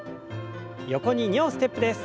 横に２歩ステップです。